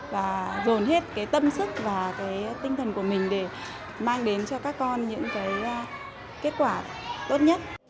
và dồn hết cái tâm sức và cái tinh thần của mình để mang đến cho các con những cái kết quả tốt nhất